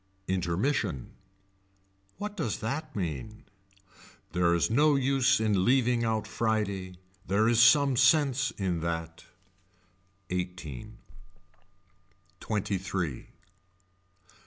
Intermission. What does that mean. There is no use in leaving out Friday. There is some sense in that. Eighteen. Twenty three.